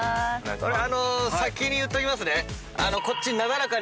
あの先に言っときますね。